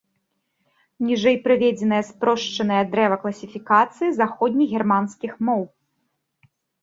Ніжэй прыведзенае спрошчанае дрэва класіфікацыі заходнегерманскіх моў.